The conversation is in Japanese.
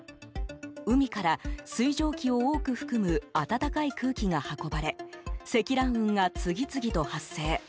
海から水蒸気を多く含む暖かい空気が運ばれ積乱雲が次々と発生。